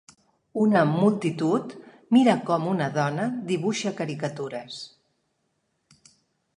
Una multitud mira com una dona dibuixa caricatures.